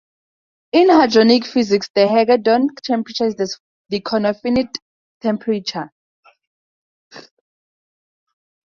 In hadronic physics, the Hagedorn temperature is the deconfinement temperature.